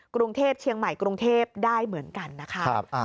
กรุงเทพเชียงใหม่กรุงเทพได้เหมือนกันนะคะ